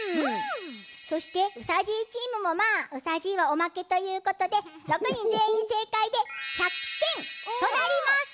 そしてうさじいチームもまあうさじいはおまけということで６にんぜんいんせいかいで１００点となります！